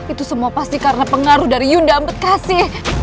itu semua pasti karena pengaruh dari yunda ambekasi